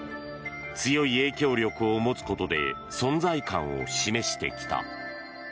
強い影響力を持つことで存在感を示してきた。